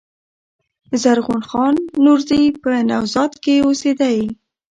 زرغون خان نورزي په "نوزاد" کښي اوسېدﺉ.